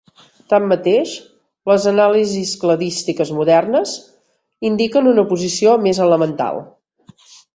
Tanmateix, les anàlisis cladístiques modernes indiquen una posició més elemental.